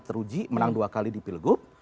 teruji menang dua kali di pilgub